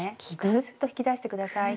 ぐっと引き出して下さい。